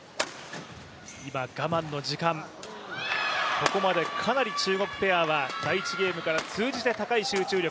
ここまでかなり中国ペアは第１ゲームからかなり高い集中力。